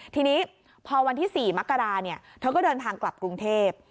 ทีนี้พอวันที่๔มกราเธอก็เดินทางกลับกรุงเทพ